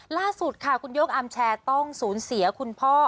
ล่าสุดค่ะคุณโยกอาร์มแชร์ต้องสูญเสียคุณพ่อ